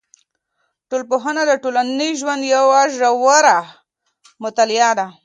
ټولنپوهنه د ټولنیز ژوند یوه ژوره مطالعه ده.